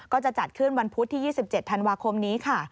ก็จะจัดขึ้นวันพุธที่๒๗ธันวาคมนี้ค่ะ